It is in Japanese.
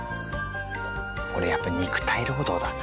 これやっぱ肉体労働だな。